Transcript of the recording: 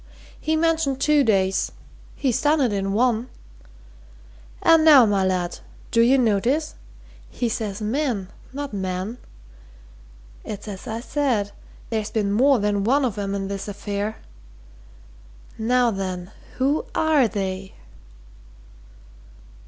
"He mentioned two days he's done it in one! And now, my lad do you notice? he says men, not man! It's as I said there's been more than one of 'em in this affair. Now then who are they?"